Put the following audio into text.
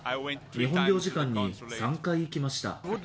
日本領事館に３回行きました。